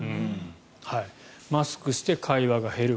マスクして会話が減る。